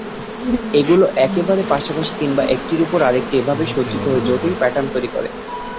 এগুলো একেবারে পাশাপাশি কিংবা একটির উপর আরেকটি এভাবে সজ্জিত হয়ে জটিল প্যাটার্ন তৈরি করে।